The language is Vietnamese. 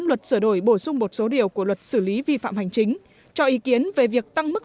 luật sửa đổi bổ sung một số điều của luật xử lý vi phạm hành chính cho ý kiến về việc tăng mức